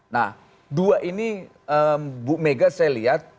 nah dua ini bu mega saya lihat